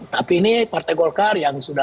tapi ini partai golkar